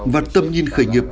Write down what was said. và tầm nhìn khởi nghiệp